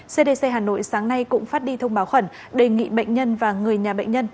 cdc hà nội sáng nay cũng phát đi thông báo khẩn đề nghị bệnh nhân và người nhà bệnh nhân